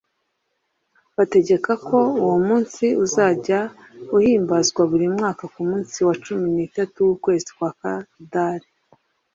bategeka ko uwo munsi uzajya uhimbazwa buri mwaka ku munsi wa cumi n'itatu w'ukwezi kwa adari